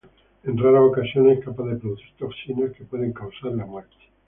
En raras ocasiones es capaz de producir toxinas que pueden causar la muerte.